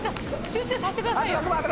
集中させてくださいよ。